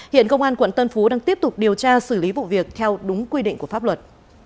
hiện công an quận tân phú đang tiếp tục điều tra xử lý vụ việc theo đúng quy định của pháp luật